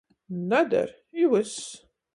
Nader, i vyss.